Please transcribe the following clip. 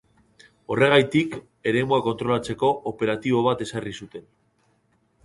Horregatik, eremua kontrolatzeko operatibo bat ezarri zuten.